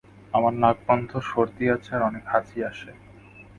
আমার নাক বন্ধ, সর্দি আছে আর অনেক হাঁচি আসে।